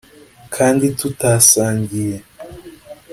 kandi tutasangiye